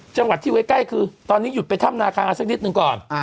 จังหวัดที่ไว้ใกล้คือตอนนี้หยุดไปถ้ำนาคาสักนิดหนึ่งก่อน